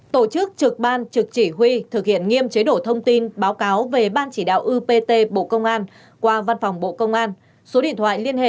bốn tổ chức trực ban trực chỉ huy thực hiện nghiêm chế độ thông tin báo cáo về ban chỉ đạo upt bộ công an qua văn phòng bộ công an số điện thoại liên hệ sáu mươi chín hai trăm ba mươi bốn một nghìn bốn mươi hai